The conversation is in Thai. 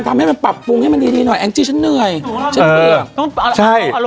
ทำให้มันปรับปรุงให้มันดีดีหน่อยแอ้งจี้ฉันเหนื่อยเออใช่เอา